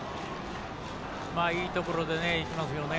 いいところで行きますよね。